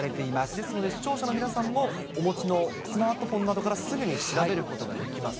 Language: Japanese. ですので視聴者の皆さんも、お持ちのスマートフォンなどからすぐに調べることができます。